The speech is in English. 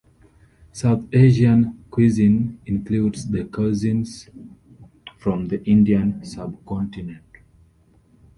South Asian cuisine includes the cuisines from the Indian subcontinent.